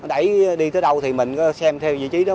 mình đẩy đi tới đâu thì mình xem theo vị trí đó